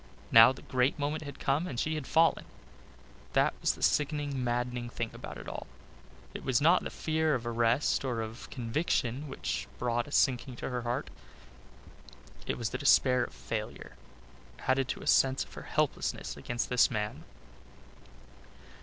Now the great moment had come and she had failed. That was the sickening, maddening thing about it all. It was not the fear of arrest or of conviction, which brought a sinking to her heart; it was the despair of failure, added to a sense of her helplessness against this man.